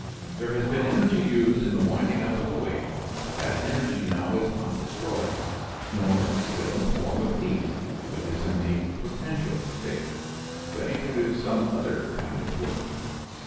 There has been energy used in winding up the weight, but that energy now is not destroyed, nor still in the form of heat, but is in the potential state ready to do some other kind of work.